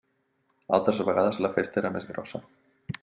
Altres vegades la festa era més grossa.